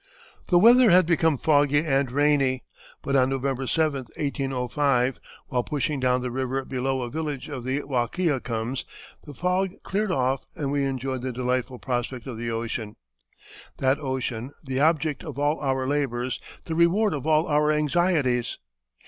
The weather had become foggy and rainy, but on November 7, 1805, while pushing down the river below a village of the Wahkiacums, the "fog cleared off and we enjoyed the delightful prospect of the ocean that ocean, the object of all our labors, the reward of all our anxieties.